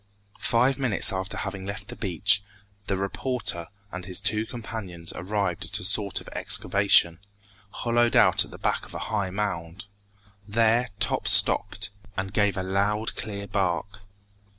Five minutes after having left the beach, the reporter and his two companions arrived at a sort of excavation, hollowed out at the back of a high mound. There Top stopped, and gave a loud, clear bark.